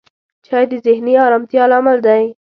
چای د ذهني آرامتیا لامل دی